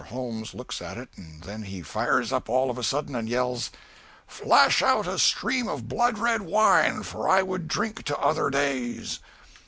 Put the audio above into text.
Holmes looks at it and then he fires up all of a sudden and yells "'Flash out a stream of blood red wine! For I would drink to other days.'